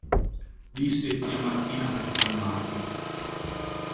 Disse zia Martina per calmarlo.